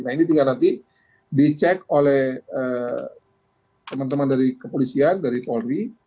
nah ini tinggal nanti dicek oleh teman teman dari kepolisian dari polri